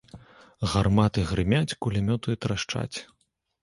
Гарматы грымяць, кулямёты трашчаць.